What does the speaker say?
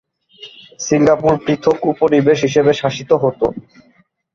Singapore পৃথক উপনিবেশ হিসেবে শাসিত হত।